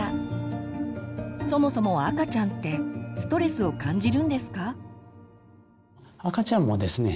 そもそも赤ちゃんってストレスを感じるんですか？